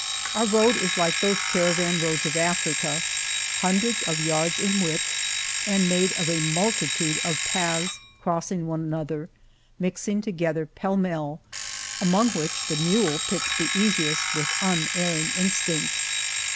Our road is like those caravan roads of Africa — hundreds of yards in width, and made of a multitude of paths crossing one another, mixing together pell mell, among which the mule picks the easiest with unerring instinct.